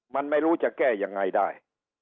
มันไม่รู้จะแก้ยังไงได้